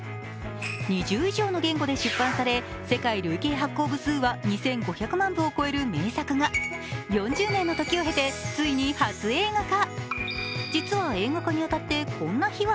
２０以上の言語で出版され、世界累計発行部数は、２５００万部を超える名作が４０年の時を経て、ついに初映画化。